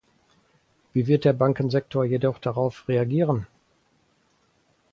Wie wird der Bankensektor jedoch darauf reagieren?